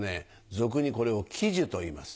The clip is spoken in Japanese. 俗にこれを喜寿といいます。